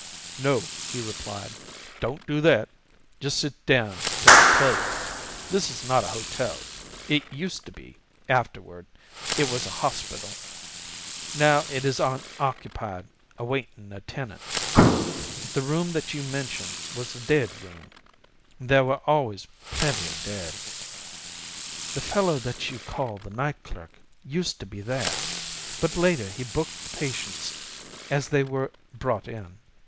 "'No,' he replied, 'don't do that; just sit down till I tell you. This is not a hotel. It used to be; afterward it was a hospital. Now it is unoccupied, awaiting a tenant. The room that you mention was the dead room—there were always plenty of dead. The fellow that you call the night clerk used to be that, but later he booked the patients as they were brought in.